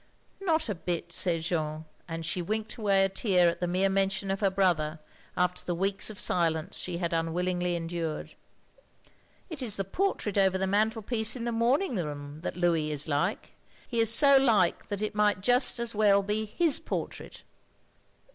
" "Not a bit," said Jeanne, and she winked away a tear at the mere mention of her brother, after the weeks of silence she had unwillingly endured. " It is the portrait over the mantelpiece in the morning room that Louis is like. He is so like that it might just as well be his portrait."